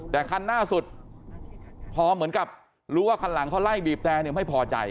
แต่คันหน้าสุดพอเหมือนกับรู้ว่าคันหลังเขาไล่บีบแต่เนี่ยไม่พอใจ